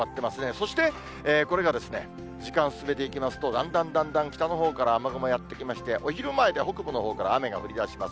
そしてこれがですね、時間進めていきますと、だんだんだんだん北のほうから雨雲がやって来まして、お昼前で北部のほうから雨が降りだします。